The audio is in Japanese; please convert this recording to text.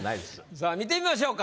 さあ見てみましょうか。